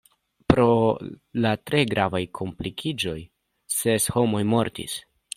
Pro la tre gravaj komplikiĝoj ses homoj mortis.